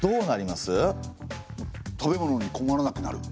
食べ物に困らなくなる？